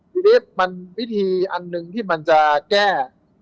ทีนี้มันวิธีอันหนึ่งที่มันจะแก้